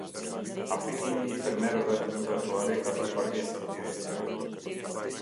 Aplikimi i fermereve nga Suhareka per pagesa direkte